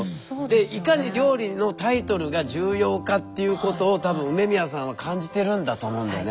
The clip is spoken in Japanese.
いかに料理のタイトルが重要かっていうことを多分梅宮さんは感じてるんだと思うんだよね。